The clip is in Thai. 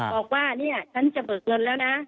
บอกว่าเนี่ยฉันจะเบิกเงินแล้วนะ